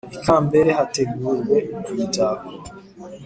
ikambere hategurwe imitako